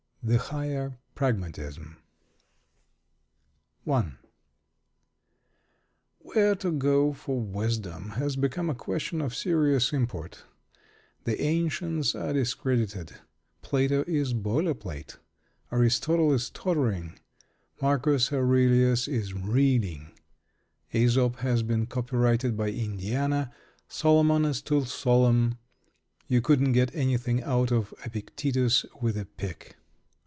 THE HIGHER PRAGMATISM I Where to go for wisdom has become a question of serious import. The ancients are discredited; Plato is boiler plate; Aristotle is tottering; Marcus Aurelius is reeling; Æsop has been copyrighted by Indiana; Solomon is too solemn; you couldn't get anything out of Epictetus with a pick.